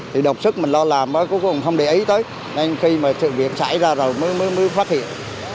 thì độc sức mình lo làm mới cuối cùng không để ý tới nên khi mà sự việc xảy ra rồi mới mới phát hiện